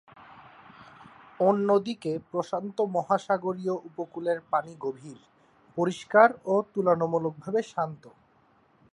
অন্যদিকে প্রশান্ত মহাসাগরীয় উপকূলের পানি গভীর, পরিষ্কার ও তুলনামূলকভাবে শান্ত।